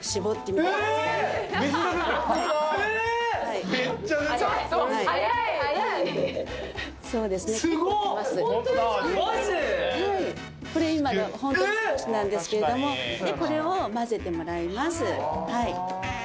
これ今のホントに少しなんですけれどもでこれをまぜてもらいます